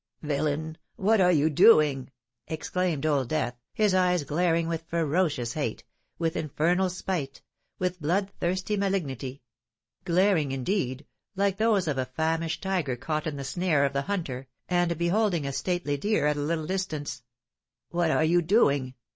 "Villain! what are you doing?" exclaimed Old Death, his eyes glaring with ferocious hate—with infernal spite—with blood thirsty malignity,—glaring, indeed, like those of a famished tiger caught in the snare of the hunter, and beholding a stately deer at a little distance: "what are you doing?